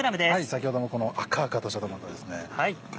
先ほどのこの赤々としたトマトですね。